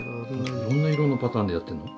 いろんな色のパターンでやってんの？